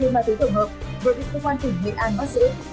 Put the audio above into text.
với đối tượng quan tỉnh hệ an bắt giữ